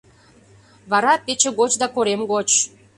Вара — пече гоч да корем гоч.